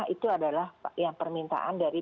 itu adalah permintaan dari